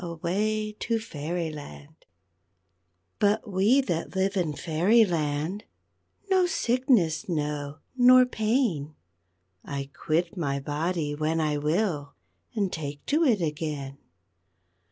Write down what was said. AWAY! TO FAIRYLAND _But we that live in Fairyland No sickness know, nor pain; I quit my body when I will, And take to it again.